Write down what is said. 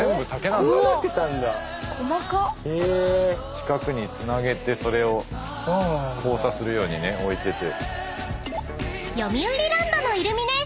四角につなげてそれを交差するように置いてて。